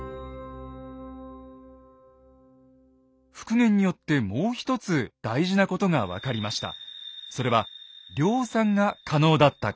復元によってもう一つ大事なことが分かりました。